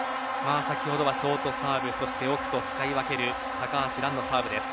ショートサーブと奥と使い分ける高橋藍のサーブです。